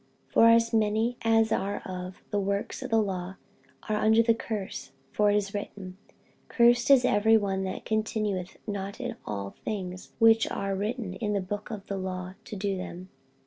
48:003:010 For as many as are of the works of the law are under the curse: for it is written, Cursed is every one that continueth not in all things which are written in the book of the law to do them.